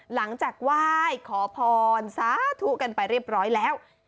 หลังจากไหว้ขอพรสาธุกันไปเรียบร้อยแล้ว